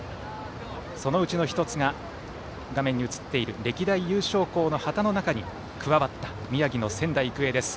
そのうちの１つが画面に映っている歴代優勝校の中に加わった宮城の仙台育英です。